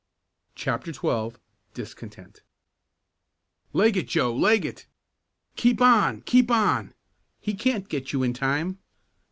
CHAPTER XII DISCONTENT "Leg it, Joe! Leg it!" "Keep on! Keep on!" "He can't get you in time!"